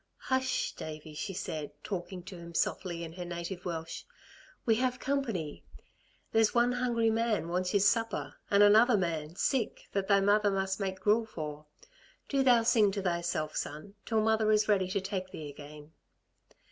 "Hush, Davey," she said talking to him softly in her native Welsh. "We have company. There's one hungry man wants his supper, and another man, sick, that thy mother must make gruel for. Do thou sing to thyself, son, till mother is ready to take thee again."